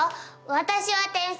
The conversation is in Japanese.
私は天才！